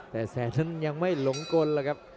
แต่แสนนั้นยังไม่หลงกลแล้วครับ